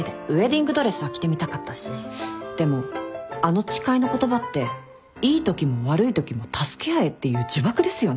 でもあの「誓いの言葉」っていいときも悪いときも助け合えっていう呪縛ですよね。